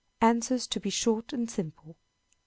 Answers to be short and simple.